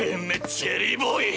チェリーボーイ！